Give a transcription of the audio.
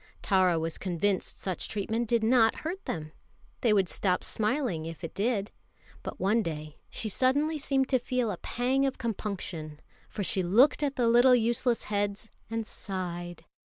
Tara was convinced such treatment did not hurt them. They would stop smiling if it did. But one day she suddenly seemed to feel a pang of compunction, for she looked at the little useless heads and sighed.